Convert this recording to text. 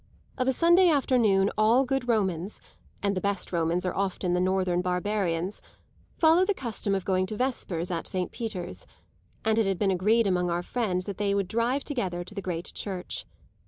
Of a Sunday afternoon all good Romans (and the best Romans are often the northern barbarians) follow the custom of going to vespers at Saint Peter's; and it had been agreed among our friends that they would drive together to the great church.